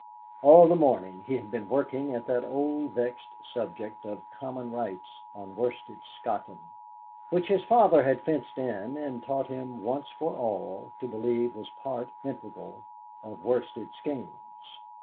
All the morning he had been working at that old vexed subject of Common Rights on Worsted Scotton, which his father had fenced in and taught him once for all to believe was part integral of Worsted Skeynes.